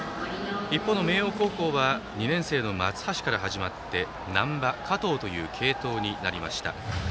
一方の明桜高校は２年生の松橋から始まって難波、加藤という継投になりました。